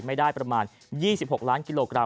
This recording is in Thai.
ไม่ได้ประมาณ๒๖ล้านกิโลกรั